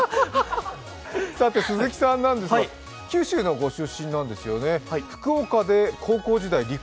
鈴木さんなんですが福岡の出身なんですね。